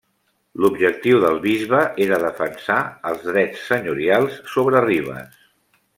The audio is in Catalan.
L'objectiu del bisbe era defensar els drets senyorials sobre Ribes.